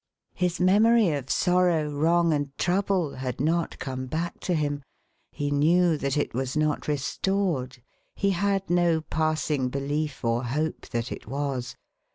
His memory of sorrow, wrong, and trouble, had not come back to him ; he knew that it was not restored ; he had no passing belief or hope that it was.